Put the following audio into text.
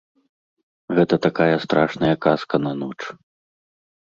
Гэта такая страшная казка на ноч.